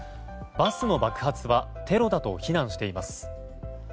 バスの爆発はテロだと非難しています。